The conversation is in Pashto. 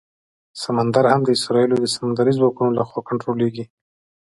سمندر هم د اسرائیلو د سمندري ځواکونو لخوا کنټرولېږي.